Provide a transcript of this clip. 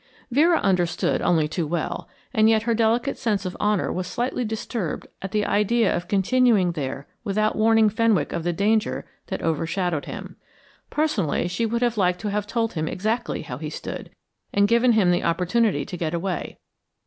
Vera understood only too well, and yet her delicate sense of honor was slightly disturbed at the idea of continuing there without warning Fenwick of the danger that overshadowed him. Personally, she would have liked to have told him exactly how he stood, and given him the opportunity to get away.